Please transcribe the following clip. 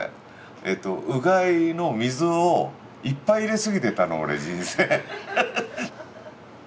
えとうがいの水をいっぱい入れすぎてたの俺人生。